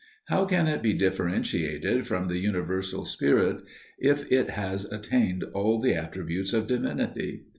How can it be differentiated from the universal spirit if it has attained all the attributes of divinity?